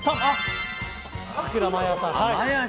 さくらまやさん。